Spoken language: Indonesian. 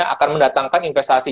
akan mendatangkan investasi